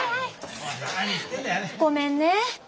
ごめんね。